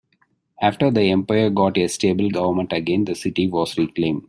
After the empire got a stable government again, the city was reclaimed.